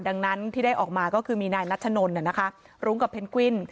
ดังนั้นที่ได้ออกมาก็คือมีนายนัทชะนนท์เนี่ยนะคะรุ้งกับเพนกวิ้น